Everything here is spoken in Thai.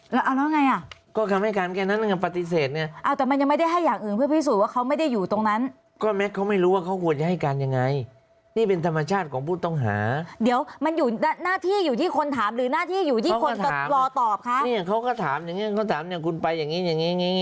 แล้วเอาแล้วไงอ่ะก็คำให้การแค่นั้นยังปฏิเสธไงเอาแต่มันยังไม่ได้ให้อย่างอื่นเพื่อพิสูจน์ว่าเขาไม่ได้อยู่ตรงนั้นก็แม็กซเขาไม่รู้ว่าเขาควรจะให้การยังไงนี่เป็นธรรมชาติของผู้ต้องหาเดี๋ยวมันอยู่หน้าที่อยู่ที่คนถามหรือหน้าที่อยู่ที่คนจะรอตอบคะเนี่ยเขาก็ถามอย่างงั้นเขาถามอย่างคุณไปอย่างงี้อย่างงี้